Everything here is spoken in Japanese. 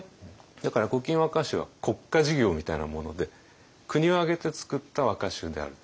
だから「古今和歌集」は国家事業みたいなもので国を挙げて作った和歌集であると。